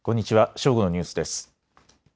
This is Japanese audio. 正午のニュースです。